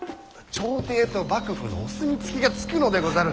朝廷と幕府のお墨付きがつくのでござる！